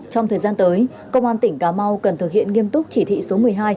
trong thời gian tới công an tỉnh cà mau cần thực hiện nghiêm túc chỉ thị số một mươi hai